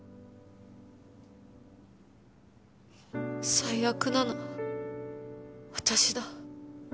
最悪なのは私だ